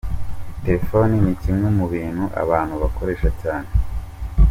Telefoni ni kimwe mu bintu abantu bakoresha cyane.